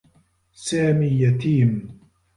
سامي يتيم.